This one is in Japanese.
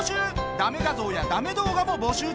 だめ画像やだめ動画も募集中。